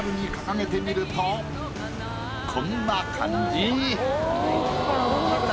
こんな感じ。